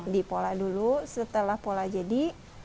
dipola dulu setelah pola jadi